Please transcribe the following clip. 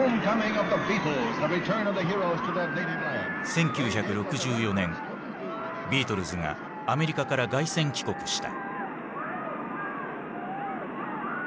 １９６４年ビートルズがアメリカから凱旋帰国した。